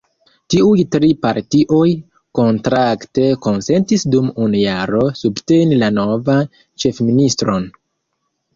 Tiuj tri partioj kontrakte konsentis dum unu jaro subteni la novan ĉefministron.